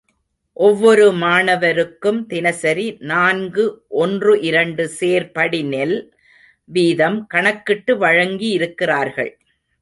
ஒவ்வொரு மாணவருக்கும் தினசரி நான்கு ஒன்று இரண்டு சேர் படி நெல் வீதம் கணக்கிட்டு வழங்கியிருக்கிறார்கள்.